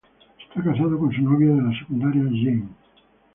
Está casado con su novia de la secundaria, Jamie.